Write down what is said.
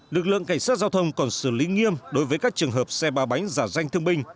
lực lượng cảnh sát giao thông còn xử lý nghiêm đối với các trường hợp xe ba bánh giả danh thương binh